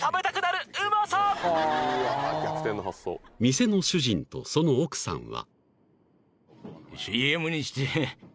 ［店の主人とその奥さんは］